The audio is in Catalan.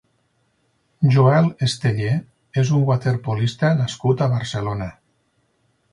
Joel Esteller és un waterpolista nascut a Barcelona.